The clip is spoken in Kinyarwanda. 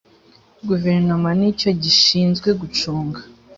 guverinoma ni cyo gishinzwe gucunga